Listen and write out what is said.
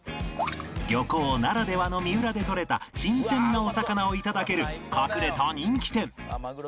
漁港ならではの三浦でとれた新鮮なお魚を頂ける隠れた人気店